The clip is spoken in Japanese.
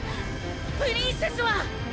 プリンセスは！